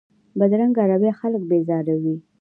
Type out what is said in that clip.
بدرنګه رویه خلک بېزاروي